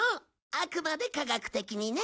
あくまで科学的にね。